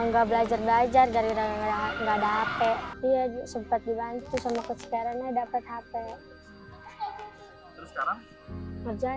nggak belajar belajar gara gara nggak ada